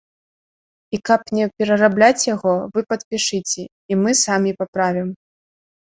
І каб не перарабляць яго, вы падпішыце, і мы самі паправім.